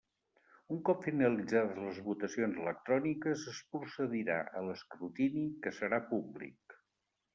Un cop finalitzades les votacions electròniques, es procedirà a l'escrutini, que serà públic.